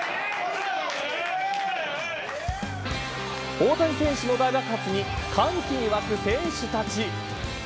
大谷選手の大活躍に歓喜に沸く選手たち。